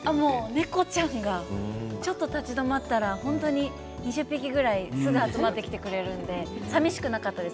猫ちゃんがちょっと立ち止まってみたらすぐに２０匹から集まってきてくれるのでさみしくなかったです。